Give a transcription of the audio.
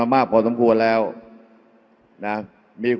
อย่าให้ลุงตู่สู้คนเดียว